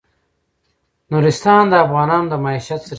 نورستان د افغانانو د معیشت سرچینه ده.